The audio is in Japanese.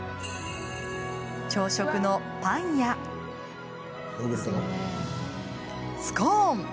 朝食のパンやスコーン。